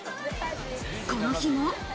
この日も。